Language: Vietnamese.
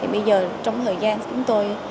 bây giờ trong thời gian chúng tôi